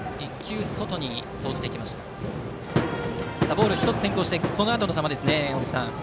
ボールが１つ先行してこのあとの球ですね。